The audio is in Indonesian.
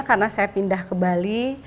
karena saya pindah ke bali